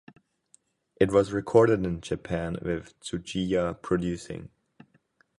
It was recorded in Japan with Tsuchiya producing.